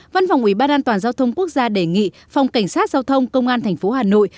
văn phòng ủy ban an toàn giao thông quốc gia đề nghị phòng cảnh sát giao thông công an tp hà nội